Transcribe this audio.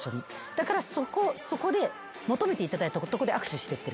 だから求めていただいたとこで握手してってる。